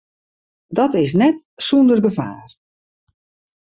Dat is net sûnder gefaar.